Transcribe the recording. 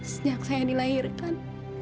sejak saya dilahirkan